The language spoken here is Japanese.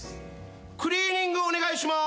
クリーニングお願いします。